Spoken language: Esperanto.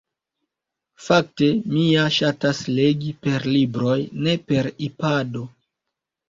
Fakte, mi ja ŝatas legi per libroj ne per ipado